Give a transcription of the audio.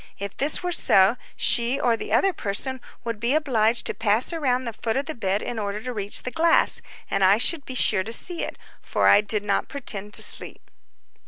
If this were so, she or the other person would be obliged to pass around the foot of the bed in order to reach the glass, and I should be sure to see it, for I did not pretend to sleep.